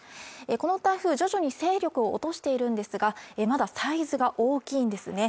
この台風徐々に勢力を落としているんですがまだサイズが大きいんですね